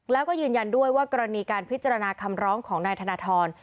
แล้วก็ยืนยันด้วยว่ากรณีการพิจารณาคำร้องของนายธนทร